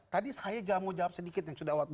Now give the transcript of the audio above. tadi saya jamu jawab sedikit yang sudah lewat